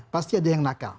pasti ada yang nakal